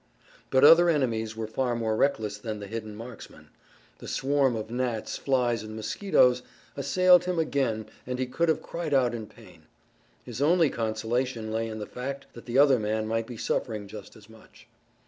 But other enemies were far more reckless than the hidden marksman. The swarm of gnats, flies, and mosquitoes assailed him again and he could have cried out in pain. His only consolation lay in the fact that the other man might be suffering just as much.